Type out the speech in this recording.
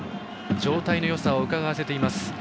状態のよさをうかがわせています。